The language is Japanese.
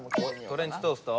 トレンチトースト？